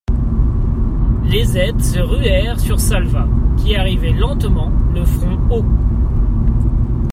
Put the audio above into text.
Les aides se ruèrent sur Salvat, qui arrivait lentement, le front haut.